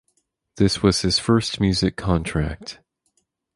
This was his first music contract.